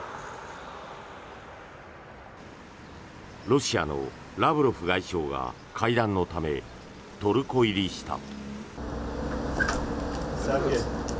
ロシアのラブロフ外相が会談のためトルコ入りした。